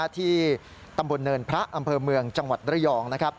ที่ตำบลเนินพระอำเภอเมืองจังหวัดระยอง